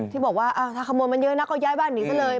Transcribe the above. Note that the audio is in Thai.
ถ้าขโมยมันเยอะนะก็ย้ายบ้านหนีซะเลย